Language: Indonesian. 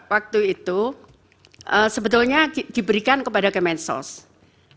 waktu itu sebetulnya diberikan kepada kementerian sosial